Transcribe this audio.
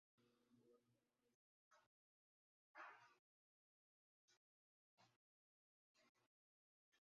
তিনি দ্বীনি খেদমতের লক্ষ্যে অসংখ্য গ্রন্থ রচনা করেন ।